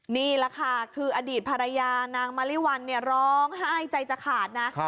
นี่แหละค่ะคืออดีตภรรยานางมาริวัลร้องไห้ใจจะขาดนะ